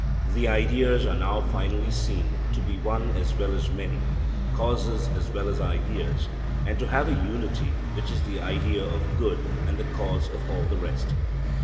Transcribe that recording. The ideas are now finally seen to be one as well as many, causes as well as ideas, and to have a unity which is the idea of good and the cause of all the rest.